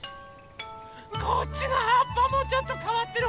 こっちのはっぱもちょっとかわってる！